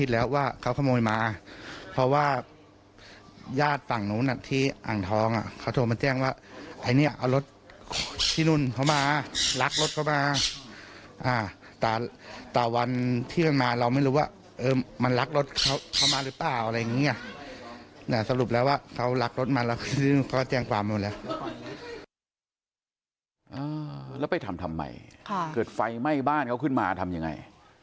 แล้วไปทำทำไมเกิดไฟไหม้บ้านเขาขึ้นมาทำยังไง